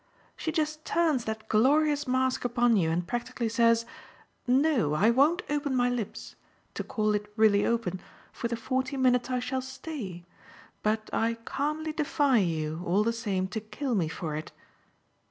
She just turns that glorious mask upon you and practically says: 'No, I won't open my lips to call it really open for the forty minutes I shall stay; but I calmly defy you, all the same, to kill me for it.